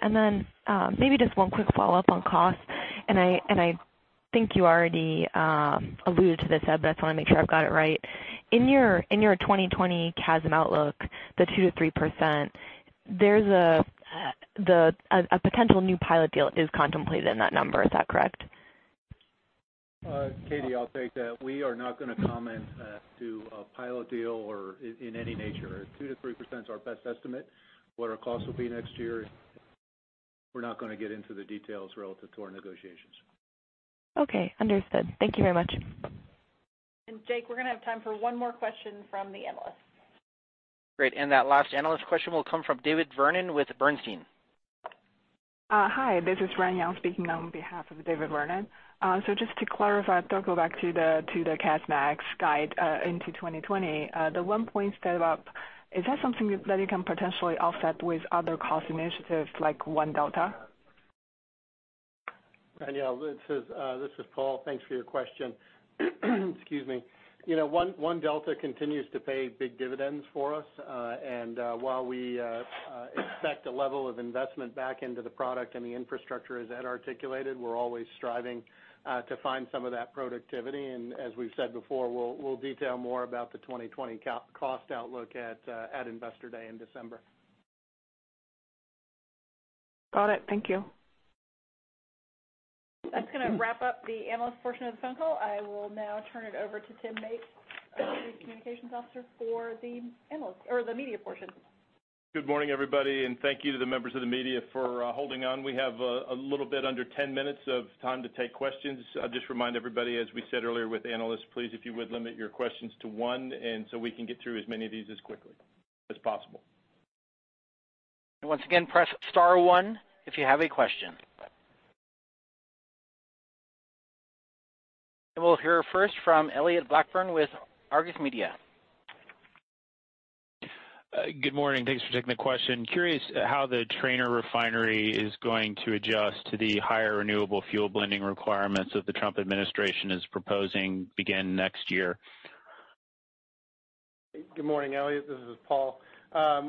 Maybe just one quick follow-up on cost. I think you already alluded to this, Ed. I just want to make sure I've got it right. In your 2020 CASM outlook, the 2%-3%, a potential new pilot deal is contemplated in that number. Is that correct? Cathy, I'll take that. We are not going to comment to a pilot deal or in any nature. 2%-3% is our best estimate what our costs will be next year. We're not going to get into the details relative to our negotiations. Okay. Understood. Thank you very much. Jake, we're going to have time for one more question from the analysts. Great. That last analyst question will come from David Vernon with Bernstein. Hi, this is Ranyel speaking on behalf of David Vernon. Just to clarify, I'll go back to the CASM Max guide into 2020. The one-point step-up, is that something that you can potentially offset with other cost initiatives like One Delta? Ranyel, this is Paul. Thanks for your question. Excuse me. One Delta continues to pay big dividends for us. While we expect a level of investment back into the product and the infrastructure, as Ed articulated, we're always striving to find some of that productivity. As we've said before, we'll detail more about the 2020 cost outlook at Investor Day in December. Got it. Thank you. That's going to wrap up the analyst portion of the phone call. I will now turn it over to Tim Mapes, our Communications Officer, for the media portion. Good morning, everybody. Thank you to the members of the media for holding on. We have a little bit under 10 minutes of time to take questions. I'll just remind everybody, as we said earlier with analysts, please, if you would limit your questions to one, we can get through as many of these as quickly as possible. Once again, press star one if you have a question. We'll hear first from Elliott Blackburn with Argus Media. Good morning. Thanks for taking the question. Curious how the Trainer refinery is going to adjust to the higher renewable fuel blending requirements that the Trump administration is proposing begin next year? Good morning, Elliott. This is Paul.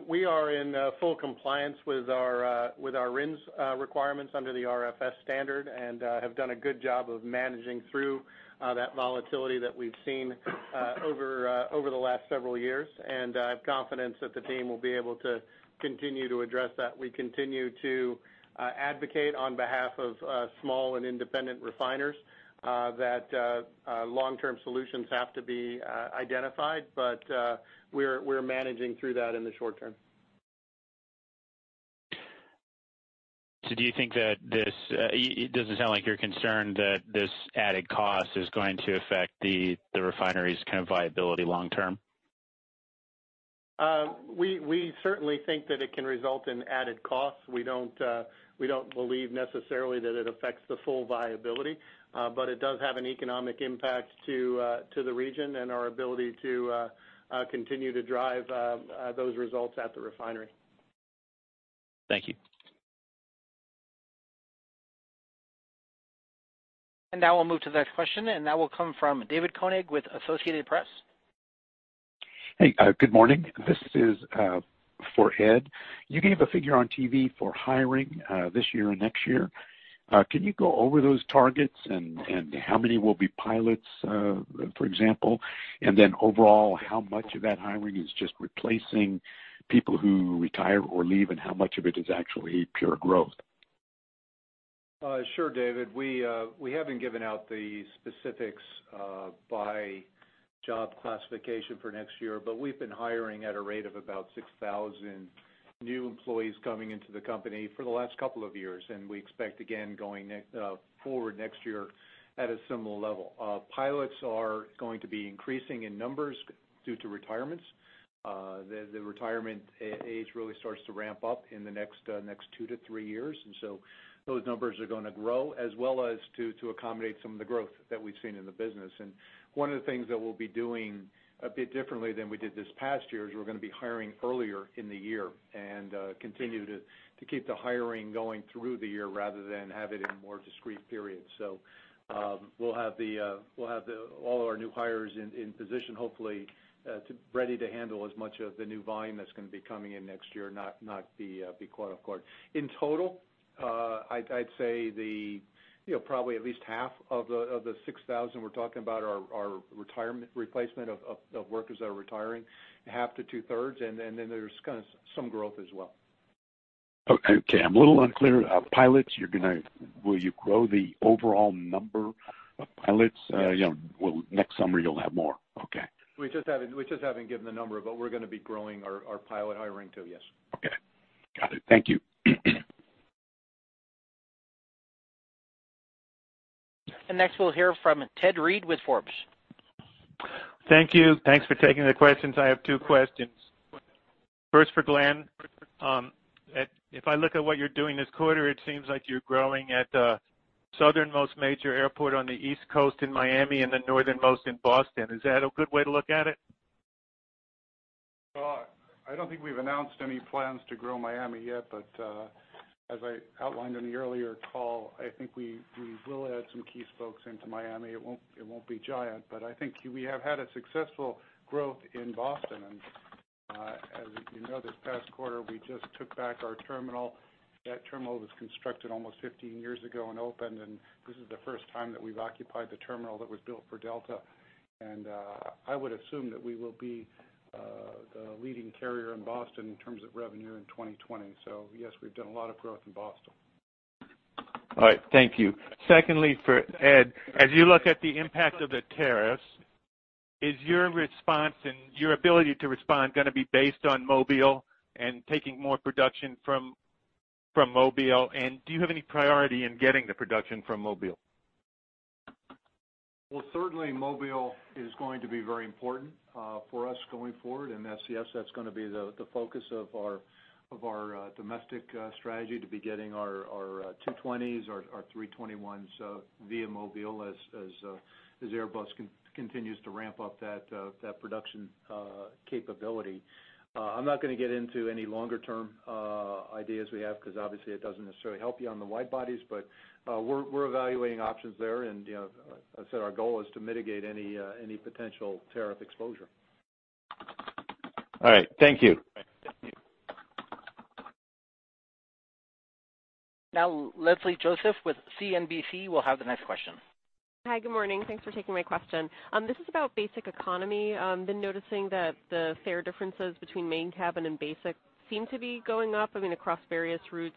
We are in full compliance with our RINs requirements under the RFS standard and have done a good job of managing through that volatility that we've seen over the last several years. I have confidence that the team will be able to continue to address that. We continue to advocate on behalf of small and independent refiners that long-term solutions have to be identified, but we're managing through that in the short term. It doesn't sound like you're concerned that this added cost is going to affect the refinery's viability long term? We certainly think that it can result in added costs. We don't believe necessarily that it affects the full viability, but it does have an economic impact to the region and our ability to continue to drive those results at the refinery. Thank you. Now we'll move to the next question, and that will come from David Koenig with Associated Press. Hey, good morning. This is for Ed. You gave a figure on TV for hiring this year and next year. Can you go over those targets and how many will be pilots, for example? Overall, how much of that hiring is just replacing people who retire or leave, and how much of it is actually pure growth? Sure, David. We haven't given out the specifics by job classification for next year, but we've been hiring at a rate of about 6,000 new employees coming into the company for the last couple of years, and we expect again going forward next year at a similar level. Pilots are going to be increasing in numbers due to retirements. The retirement age really starts to ramp up in the next two to three years, those numbers are going to grow, as well as to accommodate some of the growth that we've seen in the business. One of the things that we'll be doing a bit differently than we did this past year is we're going to be hiring earlier in the year and continue to keep the hiring going through the year rather than have it in more discrete periods. We'll have all our new hires in position, hopefully ready to handle as much of the new volume that's going to be coming in next year, not be caught off guard. In total, I'd say probably at least half of the 6,000 we're talking about are replacement of workers that are retiring, half to two-thirds, and then there's kind of some growth as well. Okay. I'm a little unclear. Pilots, will you grow the overall number of pilots? Next summer you'll have more. Okay. We just haven't given the number, but we're going to be growing our pilot hiring too, yes. Okay. Got it. Thank you. Next we'll hear from Ted Reed with Forbes. Thank you. Thanks for taking the questions. I have two questions. First, for Glen. If I look at what you're doing this quarter, it seems like you're growing at the southernmost major airport on the East Coast in Miami and the northernmost in Boston. Is that a good way to look at it? I don't think we've announced any plans to grow Miami yet, but as I outlined on the earlier call, I think we will add some key spokes into Miami. It won't be giant, but I think we have had a successful growth in Boston. As we know, this past quarter, we just took back our terminal. That terminal was constructed almost 15 years ago and opened, and this is the first time that we've occupied the terminal that was built for Delta. I would assume that we will be the leading carrier in Boston in terms of revenue in 2020. Yes, we've done a lot of growth in Boston. All right, thank you. Secondly, for Ed, as you look at the impact of the tariffs, is your response and your ability to respond going to be based on Mobile and taking more production from Mobile? Do you have any priority in getting the production from Mobile? Well, certainly Mobile is going to be very important for us going forward, and yes, that's going to be the focus of our domestic strategy to be getting our A220s, our A321s via Mobile as Airbus continues to ramp up that production capability. I'm not going to get into any longer-term ideas we have because obviously it doesn't necessarily help you on the wide bodies, but we're evaluating options there and as I said, our goal is to mitigate any potential tariff exposure. All right, thank you. Thank you. Now Leslie Josephs with CNBC will have the next question. Hi, good morning. Thanks for taking my question. This is about basic economy. Been noticing that the fare differences between main cabin and basic seem to be going up, I mean, across various routes.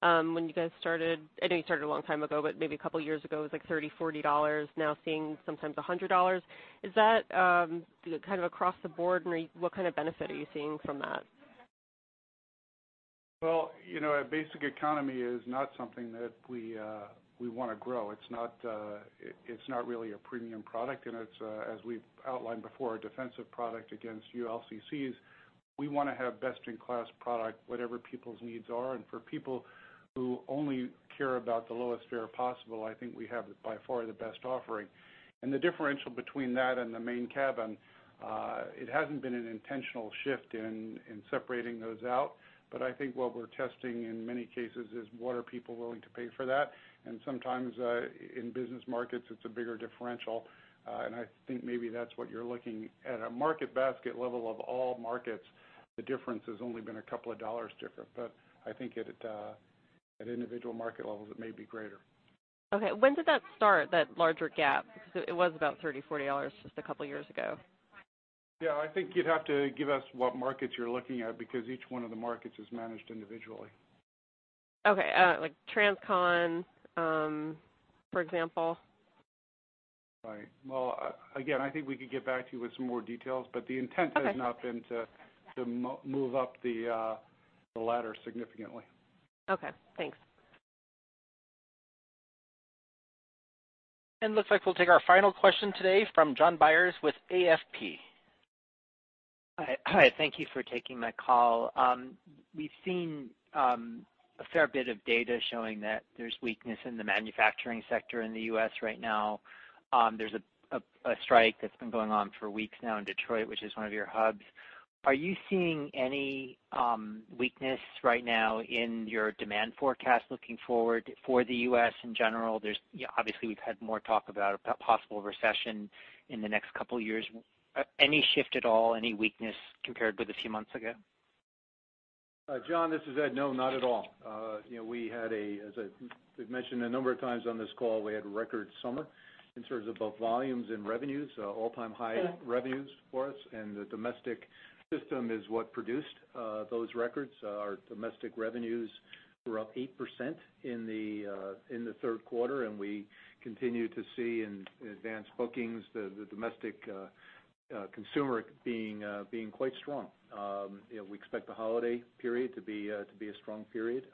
When you guys started, I know you started a long time ago, but maybe a couple of years ago, it was like $30, $40. Now seeing sometimes $100. Is that kind of across the board? What kind of benefit are you seeing from that? Well, basic economy is not something that we want to grow. It's not really a premium product and it's, as we've outlined before, a defensive product against ULCCs. We want to have best-in-class product, whatever people's needs are, and for people who only care about the lowest fare possible, I think we have by far the best offering. The differential between that and the main cabin, it hasn't been an intentional shift in separating those out, but I think what we're testing in many cases is what are people willing to pay for that? Sometimes in business markets, it's a bigger differential, and I think maybe that's what you're looking. At a market basket level of all markets, the difference has only been a couple of dollars different, but I think at individual market levels, it may be greater. Okay, when did that start, that larger gap? It was about $30, $40 just a couple of years ago. Yeah, I think you'd have to give us what markets you're looking at because each one of the markets is managed individually. Okay. Like transcon, for example. Right. Well, again, I think we could get back to you with some more details, but the intent- Okay has not been to move up the ladder significantly. Okay, thanks. Looks like we'll take our final question today from John Biers with AFP. Hi, thank you for taking my call. We've seen a fair bit of data showing that there's weakness in the manufacturing sector in the U.S. right now. There's a strike that's been going on for weeks now in Detroit, which is one of your hubs. Are you seeing any weakness right now in your demand forecast looking forward for the U.S. in general? We've had more talk about a possible recession in the next couple of years. Any shift at all? Any weakness compared with a few months ago? John, this is Ed. No, not at all. As we've mentioned a number of times on this call, we had a record summer in terms of both volumes and revenues, all-time high revenues for us, and the domestic system is what produced those records. Our domestic revenues were up 8% in the third quarter. We continue to see in advanced bookings the domestic consumer being quite strong. We expect the holiday period to be a strong period.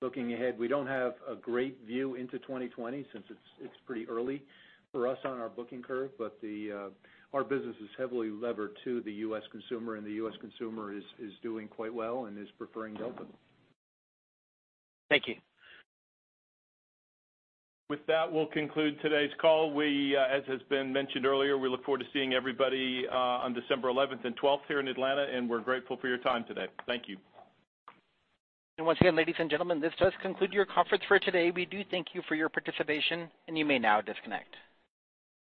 Looking ahead, we don't have a great view into 2020 since it's pretty early for us on our booking curve. Our business is heavily levered to the U.S. consumer, and the U.S. consumer is doing quite well and is preferring Delta. Thank you. With that, we'll conclude today's call. As has been mentioned earlier, we look forward to seeing everybody on December 11th and 12th here in Atlanta, we're grateful for your time today. Thank you. Once again, ladies and gentlemen, this does conclude your conference for today. We do thank you for your participation, and you may now disconnect.